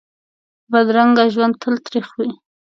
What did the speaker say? بدرنګه ژوند تل تریخ وي